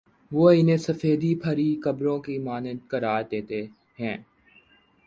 وہ انہیں سفیدی پھری قبروں کی مانند قرار دیتے ہیں۔